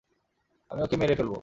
আমি ওকে মেরে ফেলবো!